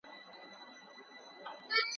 یوه تیاره بله تیاره زېږوي لمر نه لري